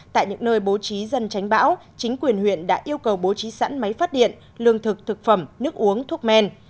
tại những nơi bố trí dân tránh bão chính quyền huyện đã yêu cầu bố trí sẵn máy phát điện lương thực thực phẩm nước uống thuốc men